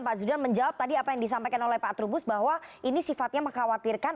pak zudan menjawab tadi apa yang disampaikan oleh pak trubus bahwa ini sifatnya mengkhawatirkan